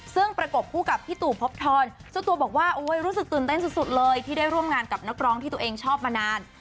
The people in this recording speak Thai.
ซึ่งประกบคู่กับพี่ตู่พบทรเจ้าตัวบอกว่ารู้สึกตื่นเต้นสุดเลยที่ได้ร่วมงานกับนักร้องที่ตัวเองชอบมานาน